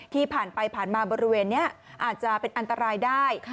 ผ่านไปผ่านมาบริเวณนี้อาจจะเป็นอันตรายได้